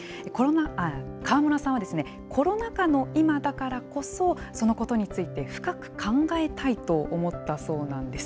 川村さんは、コロナ禍の今だからこそ、そのことについて深く考えたいと思ったそうなんです。